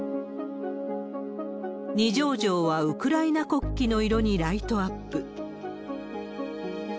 二条城はウクライナ国旗の色にライトアップ。